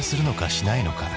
しないのか？